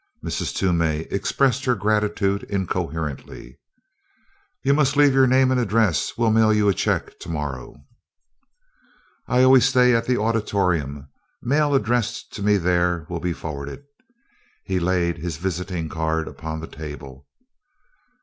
Mrs. Toomey expressed her gratitude incoherently. "You must leave your name and address; we'll mail you a check to morrow." "I always stay at the Auditorium. Mail addressed to me there will be forwarded." He laid his visiting card upon the table.